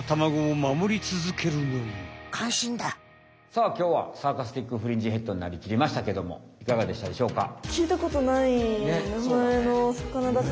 さあきょうはサーカスティック・フリンジヘッドになりきりましたけどもいかがでしたでしょうか？